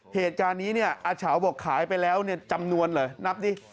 เหตุการณ์นี้อาเฉาบอกขายไปแล้วจำนวนเหรอนับดิ